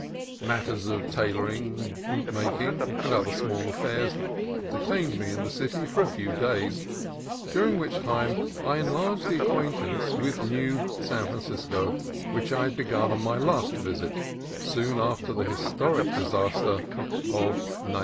Matters of tailoring, bootmaking, and other small affairs detained me in the city for a few days, during which time I enlarged the acquaintance with new San Francisco which I had begun on my last visit, soon after the historic disaster of 1906.